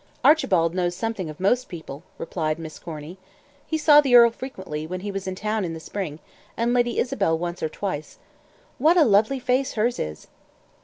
"Archibald knows something of most people," replied Miss Corny. "He saw the earl frequently, when he was in town in the spring, and Lady Isabel once or twice. What a lovely face hers is!"